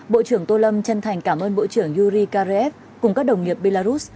bộ trưởng tôn lâm chân thành cảm ơn bộ trưởng yuri karayev cùng các đồng nghiệp belarus